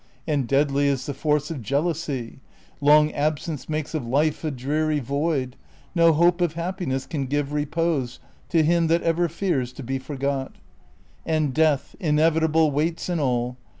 And deadly is the force of jealousy : Long absence makes of life a dreary void ; No hope of happiness can give repose To him that ever fears to be forgot ; And death, inevitable, waits in all.